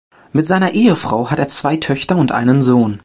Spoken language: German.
Mit seiner Ehefrau hat er zwei Töchter und einen Sohn.